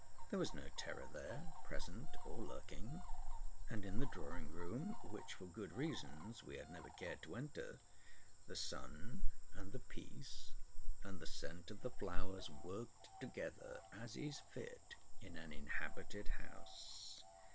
There was no terror there, present or lurking; and in the drawing room, which for good reasons we had never cared to enter, the sun and the peace and the scent of the flowers worked together as is fit in an inhabited house.